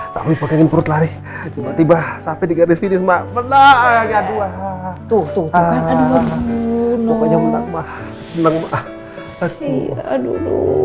tapi pengen perut lari tiba tiba sampai di garis ini semua beneran ya dua tuh